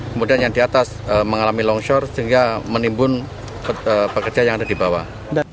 kemudian yang di atas mengalami longsor sehingga menimbun pekerja yang ada di bawah